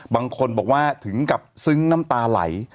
บางคนบอกว่าถึงกับซึ้งน้ำตาไหล